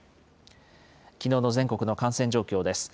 きのうの全国の感染状況です。